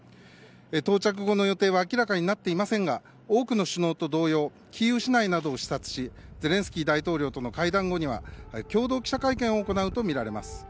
到着後の予定は明らかになっていませんが多くの首脳と同様キーウ市内を視察しゼレンスキー大統領との会談後には共同記者会見を行うとみられます。